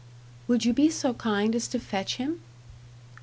"Would you be so kind as to fetch him?"